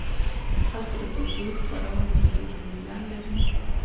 خلک د کلتوري خپرونو لیدو ته میلان لري.